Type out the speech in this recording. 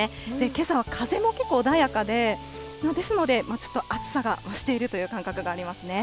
けさは風も結構穏やかで、ですのでちょっと暑さが増しているという感覚がありますね。